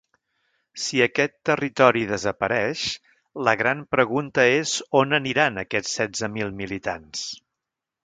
Si aquest territori desapareix, la gran pregunta és on aniran aquests setze mil militants.